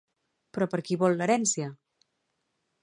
Però per qui vol l'herència?